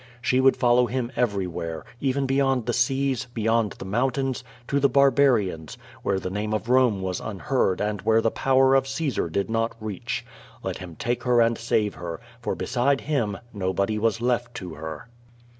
She would follow him everywhere, even y6 Q^O VADI8. beyond the seas, beyond the mountains, to the barbarians, where the name of Home was unheard and where the power of Caesar did not reach. Let him take her and save her, for beside him nobody was left to her.